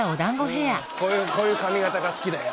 こういう髪形が好きだよ。